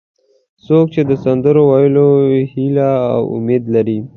څوک چې د سندرو ویلو هیله او امید لري.